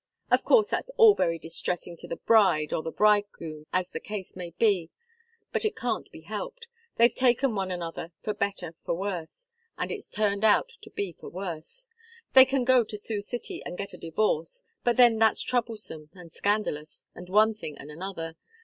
Of course that's all very distressing to the bride or the bridegroom, as the case may be. But it can't be helped. They've taken one another 'for better, for worse,' and it's turned out to be for worse. They can go to Sioux City and get a divorce, but then that's troublesome and scandalous, and one thing and another.